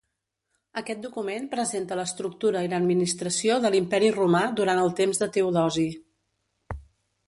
Aquest document presenta l'estructura i l'administració de l'Imperi romà durant el temps de Teodosi.